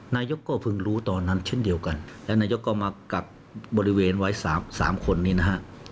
นายกก็เพิ่งรู้ตอนนั้นเช่นเดียวกันและนายกก็มากักบริเวณไว้สามคนนี้นะฮะ